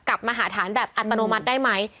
มหาฐานแบบอัตโนมัติได้ไหม